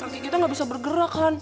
tapi kaki kita ga bisa bergerak an